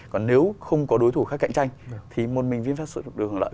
còn nếu không có đối thủ khác cạnh tranh thì môn minh vinfast được lợi